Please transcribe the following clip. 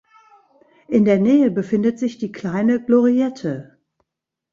In der Nähe befindet sich die Kleine Gloriette.